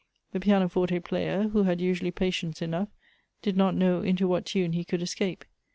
The piano forte player, who had usually patience enough, did not know into what tunt he could escape.